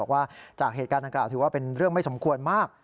ว่าจากเหตุการณ์ดังกล่าวถือว่าเป็นเรื่องไม่สมควรมาก